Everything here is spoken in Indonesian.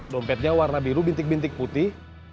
dompetnya warna biru bintik bintik putih